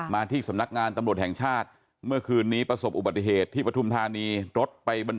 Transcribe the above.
มาที่สำนักงานตำรวจแห่งชาติเมื่อคืนนี้ประสบอุบัติเหตุที่ปฐุมธานีรถไปบน